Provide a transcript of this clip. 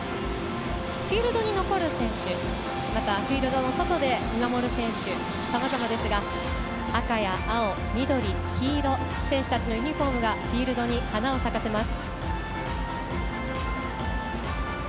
フィールドに残る選手またフィールドの外で見守る選手さまざまですが、赤や青緑、黄色、選手たちのユニフォームがフィールドに花を咲かせます。